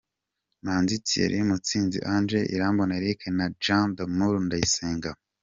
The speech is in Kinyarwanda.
Manzi Thierry, Mutsinzi Ange, Irambona Eric na Jean D’Amour Ndayisenga.